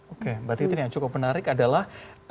oke mbak titin yang cukup menarik adalah